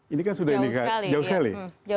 ini kan sudah ini jauh sekali